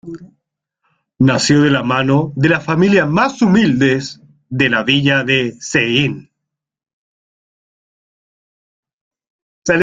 Nació de la mano de las familias más humildes de la villa de Cehegín.